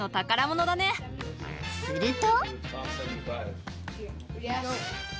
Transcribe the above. ［すると］